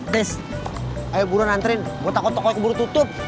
tes ayo buruan antriin gue takut tokonya keburu tutup